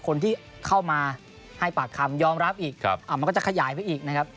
คนที่เข้ามาให้ปากคำยอมรับอีกมันก็จะขยายไปอีกนะครับ